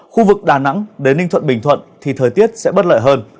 khu vực đà nẵng đến ninh thuận bình thuận thì thời tiết sẽ bất lợi hơn